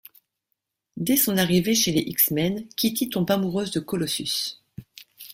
Dès son arrivée chez les X-Men, Kitty tombe amoureuse de Colossus.